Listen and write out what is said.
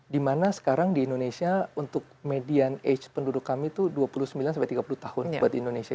dimana sekarang di indonesia untuk median age penduduk kami itu dua puluh sembilan sampai tiga puluh tahun buat indonesia